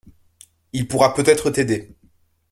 Il pourra peut-être t’aider.